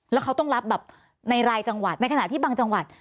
แล้วเขาต้องรับแบบในรายจังหวัดในขณะที่บางจังหวัด